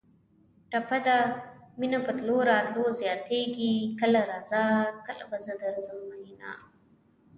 ټپه ده: مینه په تلو راتلو زیاتېږي کله راځه کله به زه درځم مینه